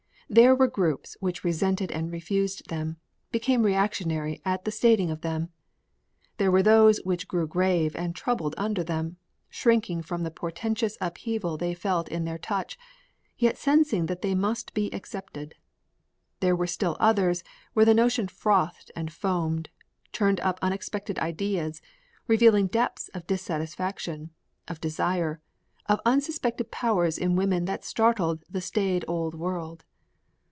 There were groups which resented and refused them, became reactionary at the stating of them. There were those which grew grave and troubled under them, shrinking from the portentous upheaval they felt in their touch, yet sensing that they must be accepted. There were still others where the notion frothed and foamed, turning up unexpected ideas, revealing depths of dissatisfaction, of desire, of unsuspected powers in woman that startled the staid old world.